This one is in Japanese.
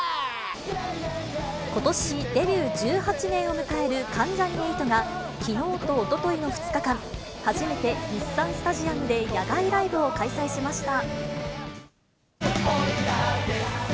ことしデビュー１８年を迎える関ジャニ∞が、きのうとおとといの２日間、初めて日産スタジアムで野外ライブを開催しました。